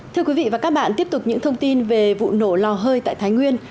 thưa quý vị và các bạn tiếp tục những thông tin về vụ nổ lò hơi tại thái nguyên